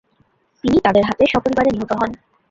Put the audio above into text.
তিনি তাদের হাতে সপরিবারে নিহত হন।